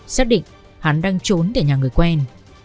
xác định hắn đang trốn tại nhà người quen